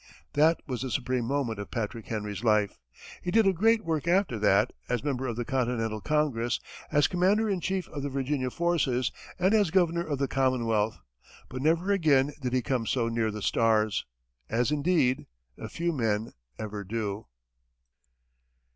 That was the supreme moment of Patrick Henry's life. He did a great work after that, as member of the Continental Congress, as commander in chief of the Virginia forces, and as governor of the Commonwealth, but never again did he come so near the stars as, indeed, few men ever do.